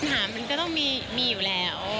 ปัญหามันก็ต้องมีอยู่แล้ว